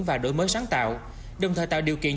và đổi mới sáng tạo đồng thời tạo điều kiện